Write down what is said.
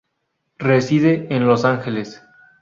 Reside en Los Ángeles.